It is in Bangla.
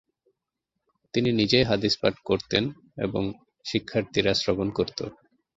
তিনি নিজেই হাদিস পাঠ করতেন এবং শিক্ষার্থীরা শ্রবণ করত।